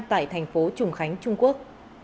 tại thành phố trùng khánh trung quốc